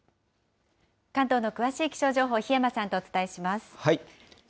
関東の詳しい気象情報、檜山さんとお伝えします。